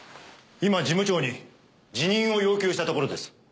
今事務長に辞任を要求したところです。